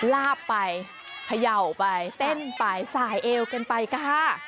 ลาบไปเขย่าไปเต้นไปสายเอวกันไปค่ะ